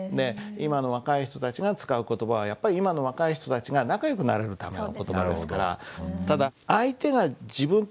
今の若い人たちが使う言葉はやっぱり今の若い人たちが仲良くなれるための言葉ですから。